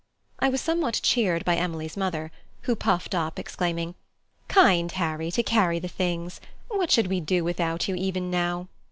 I was somewhat cheered by Emily's mother, who puffed up exclaiming, "Kind Harry, to carry the things! What should we do without you, even now!